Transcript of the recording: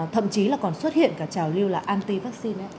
thậm chí là còn xuất hiện cả trào lưu là anti vaccine